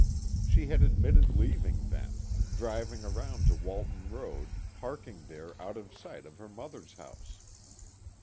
She had admitted leaving then, driving around to Walton Road, parking there out of sight of her mother's house.